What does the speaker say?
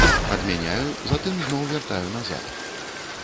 Адмяняю, затым зноў вяртаю назад.